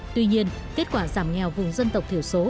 tuy nhiên kết quả giảm nghèo vùng dân tộc thiểu số